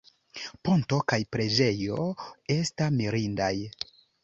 Ponto kaj preĝejo esta mirindaj.